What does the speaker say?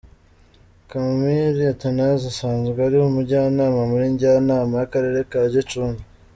Kamili Athanase asanzwe ari umunjyanama muri Njyanama y’ akarere ka Gicumbi.